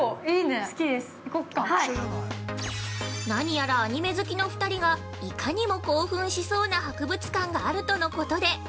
◆何やらアニメ好きの２人がいかにも興奮しそうな博物館があるとのことで。